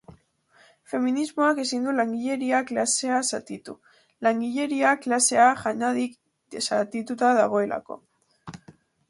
Feminismoak ezin du langileria klasea zatitu, langileria klasea jadanik zatituta dagoelako.